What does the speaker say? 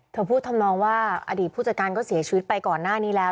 เธอพูดทำนองว่าอดีตผู้จัดการก็เสียชีวิตไปก่อนหน้านี้แล้ว